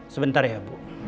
sebentar ya bu